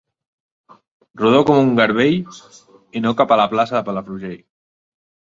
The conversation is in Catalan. Rodó com un garbell i no cap a la plaça de Palafrugell.